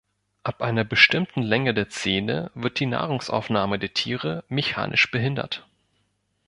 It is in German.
Ab einer bestimmten Länge der Zähne wird die Nahrungsaufnahme der Tiere mechanisch behindert.